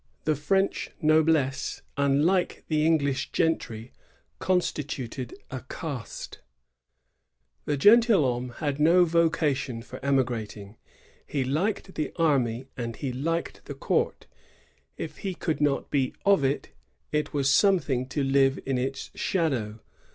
The French noblesse, unlike the English gentry, constituted a caste. The gentUhomrru had no vocation for emigrating. 1663 1763.] CANADIAN NOBLESSE. 58 He liked the army and he liked the court. If he could not be of it, it was something to live in its shadow.